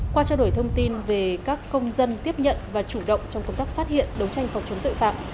qua trao đổi thông tin về các công dân tiếp nhận và chủ động trong công tác phát hiện đấu tranh phòng chống tội phạm